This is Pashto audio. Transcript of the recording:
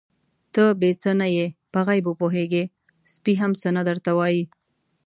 _ته بې څه نه يې، په غيبو پوهېږې، سپی هم څه نه درته وايي.